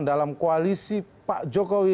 dalam koalisi pak jokowi